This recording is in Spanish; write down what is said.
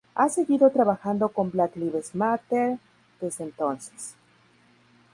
Ha seguido trabajando con Black Lives Matter desde entonces.